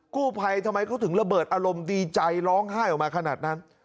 กู้ภัยทำไมเขาถึงระเบิดอารมณ์ดีใจร้องไห้ออกมาขนาดนั้น